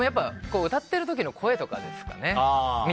歌ってる時の声とかですかね。